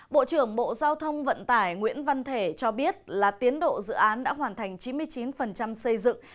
bộ trưởng bộ giao thông vận tải nguyễn văn thể cho biết là tiến độ dự án đã hoàn thành chín mươi chín xây dựng